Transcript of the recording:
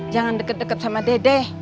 jangan deket deket sama dede